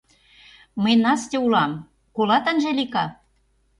Мый Настя улам, колат, Анжелика?